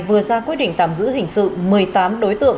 vừa ra quyết định tạm giữ hình sự một mươi tám đối tượng